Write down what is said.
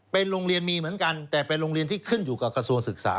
เป็นโรงเรียนมีเหมือนกันแต่เป็นโรงเรียนที่ขึ้นอยู่กับกระทรวงศึกษา